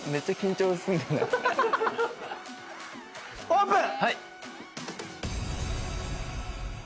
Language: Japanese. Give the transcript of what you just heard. オープン！